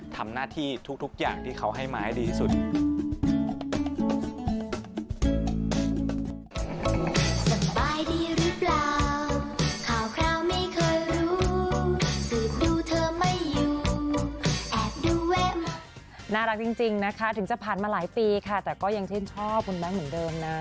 ทำหน้าที่ทุกอย่างที่เขาให้มาให้ดีที่สุด